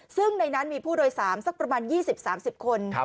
ซึ่งในนั้นมีผู้โดยสารสักประมาณ๒๐๓๐คน